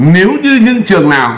nếu như những trường nào